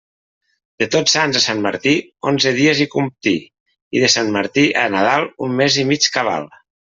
De Tots Sants a Sant Martí, onze dies hi comptí, i de Sant Martí a Nadal, un mes i mig cabal.